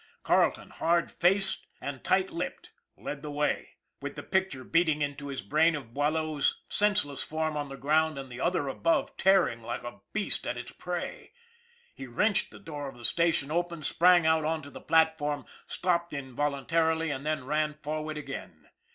Carleton, hard faced and tight 220 ON THE IRON AT BIG CLOUD lipped, led the way, with the picture beating into his brain of Boileau's senseless form on the ground and the other above tearing like a beast at its prey. He wrenched the door of the station open, sprang out on to the platform, stopped involuntarily, and then ran for ward again.